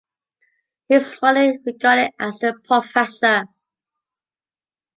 He is widely regarded as The Professor.